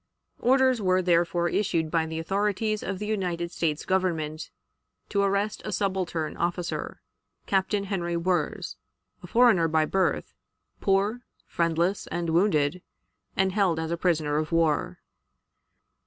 Orders were therefore issued by the authorities of the United States Government to arrest a subaltern officer, Captain Henry Wirz, a foreigner by birth, poor, friendless, and wounded, and held as a prisoner of war.